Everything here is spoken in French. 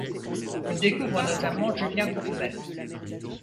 Il découvre notamment Julien Courbet.